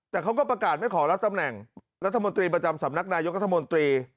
แต่เขาก็ประกาศไม่ขอรับตำแหน่งรัฐมนตรีประจำสำนักนายกรัฐมนตรี